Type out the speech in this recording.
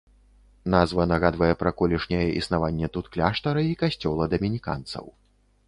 Назва нагадвае пра колішняе існаванне тут кляштара і касцёла дамініканцаў.